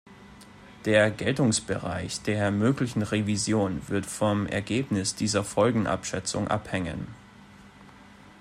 Der Geltungsbereich der möglichen Revision wird vom Ergebnis dieser Folgenabschätzung abhängen.